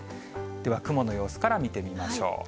では、雲の様子から見てみましょう。